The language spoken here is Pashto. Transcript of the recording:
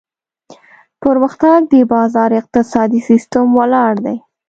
پرمختګ د بازار اقتصادي سیستم ولاړ دی.